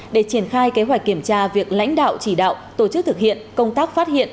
để triển khai kế hoạch kiểm tra việc lãnh đạo chỉ đạo tổ chức thực hiện công tác phát hiện